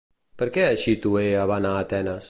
Per què Axiotea va anar a Atenes?